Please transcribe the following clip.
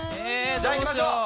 じゃあいきましょう。